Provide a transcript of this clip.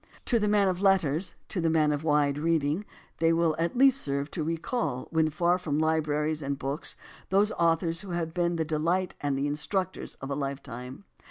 To the man of letters, to the man of wide reading, they will at least serve to recall, when far from libraries and books, those authors who have been the delight and the instructors of a lifetime.